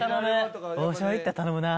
王将行ったら頼むなあ。